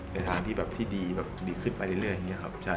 ไปทางที่ดีดีขึ้นไปเรื่อยอย่างนี้ครับ